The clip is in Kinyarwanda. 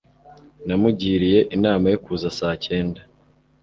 namugiriye inama yo kuza saa cyenda